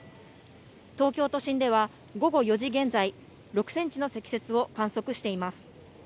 東京都心では午後４時現在、６センチの積雪を観測しています。